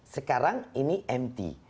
sekarang ini empty